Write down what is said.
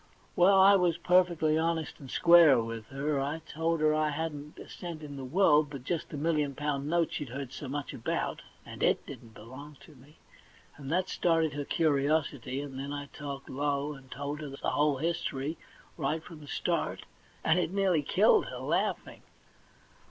Well, I was perfectly honest and square with her ; told her I hadn't a cent in the world but just the million pound note she'd heard so much talk about, and it didn't belong to me ; and that started her curiosity, and then I talked low, and told her the whole history right from the start, and it nearly killed her, laughing.